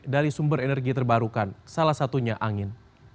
dari sumber energi terbarukan salah satunya angin